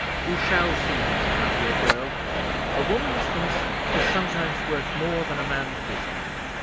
"You shall see him then, dear girl. A woman's instinct is sometimes worth more than a man's wisdom.